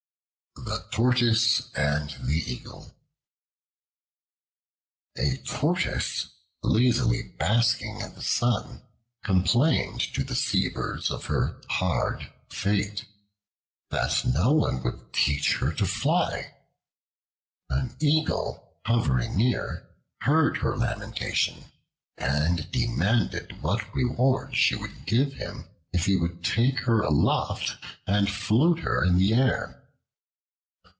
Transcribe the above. The Tortoise and the Eagle A TORTOISE, lazily basking in the sun, complained to the sea birds of her hard fate, that no one would teach her to fly. An Eagle, hovering near, heard her lamentation and demanded what reward she would give him if he would take her aloft and float her in the air.